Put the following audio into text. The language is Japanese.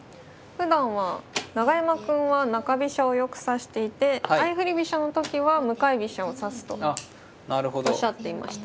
ふだんは永山くんは中飛車をよく指していて相振り飛車の時は向かい飛車を指すとおっしゃっていました。